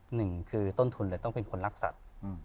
หนึ่งคือต้นทุนเลยต้องเป็นคนรักสัตว์